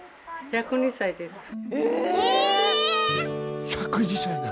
１０２歳だって。